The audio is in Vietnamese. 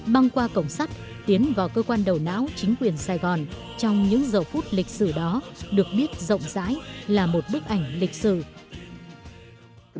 băng qua cổng sắt tiến vào cơ quan đầu não chính quyền sài gòn trong những giờ phút lịch sử đó được biết rộng rãi là một bức ảnh lịch sử